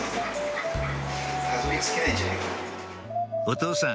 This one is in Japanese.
お父さん